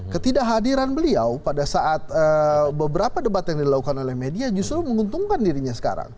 ketidakhadiran beliau pada saat beberapa debat yang dilakukan oleh media justru menguntungkan dirinya sekarang